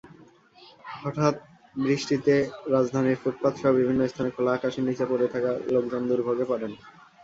হঠাৎ বৃষ্টিতে রাজধানীর ফুটপাতসহ বিভিন্ন স্থানে খোলা আকাশের নিচে থাকা লোকজন দুর্ভোগে পড়েন।